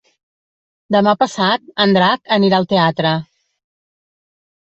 Demà passat en Drac anirà al teatre.